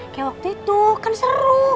kayak waktu itu kan seru